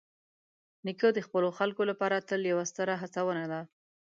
نیکه د خپلو خلکو لپاره تل یوه ستره هڅونه ده.